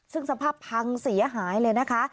ซึ่งสภาพพังเสียหายเลยนะคะ